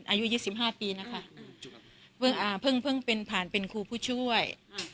อายุยิกสี่ห้าปีนะคะอ่าเพิ่งเป็นผ่านเป็นครูผู้ช่วย